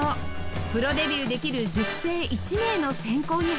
プロデビューできる塾生１名の選考に入ります